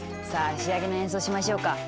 さあ仕上げの演奏しましょうか。